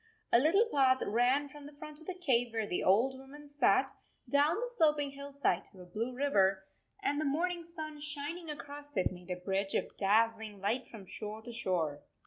A little path ran from the front of the cave where the old woman sat down the sloping hillside to a blue river, and the morning 5 sun shining across it made a bridge of daz zling light from shore to shore.